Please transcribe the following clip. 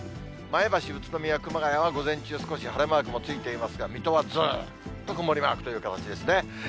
前橋、宇都宮、熊谷は午前中、少し晴れマークもついていますが、水戸はずっと曇りマークという形ですね。